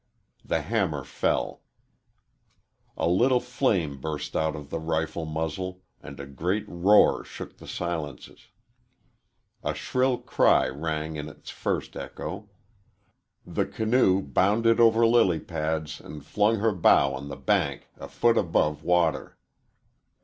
The hammer fell. A little flame burst out of the rifle muzzle, and a great roar shook the silences. A shrill cry rang in its first echo. The canoe bounded over lily pads and flung her bow on the bank a foot above water.